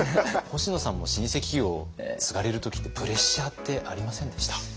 星野さんも老舗企業を継がれる時ってプレッシャーってありませんでした？